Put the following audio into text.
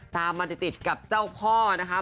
ตามมาติดกับเจ้าพ่อนะคะ